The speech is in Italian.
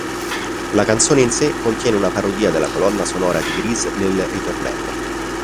La canzone in sé contiene una parodia della colonna sonora di Grease nel ritornello.